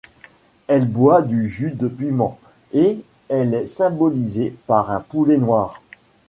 Elle boit du jus de piments, et elle est symbolisée par un poulet noir.